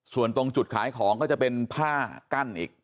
ส่วนตรงจุดขายของก็จะเป็นผ้ากั้นอีก